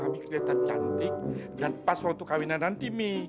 mami kelihatan cantik dan pas waktu kawinan nanti mi